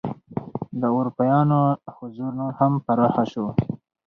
د اروپایانو حضور نور هم پراخ شو.